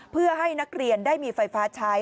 เพื่อให้นักเรียนได้มีไฟฟ้าใช้